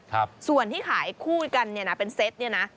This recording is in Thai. ครับส่วนที่ขายคู่กันเนี่ยนะเป็นเซตเนี่ยนะ